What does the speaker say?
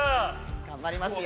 ◆頑張りますよ。